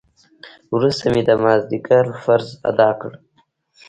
وروسته مې د مازديګر فرض ادا کړ.